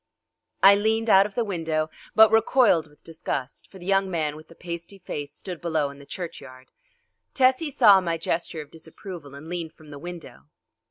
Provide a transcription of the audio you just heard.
I leaned out of the window but recoiled with disgust, for the young man with the pasty face stood below in the churchyard. Tessie saw my gesture of disapproval and leaned from the window.